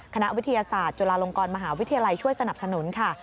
คณะวิทยาศาสตร์จุฬาลงกรมหาวิทยาลัยช่วยสนับสนุนค่ะ